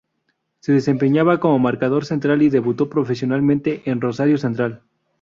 Se desempeñaba como marcador central y debutó profesionalmente en Rosario Central.